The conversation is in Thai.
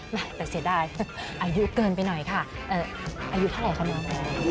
แม่แต่เสียดายอายุเกินไปหน่อยค่ะอายุเท่าไหร่คะน้อง